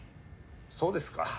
そうですか。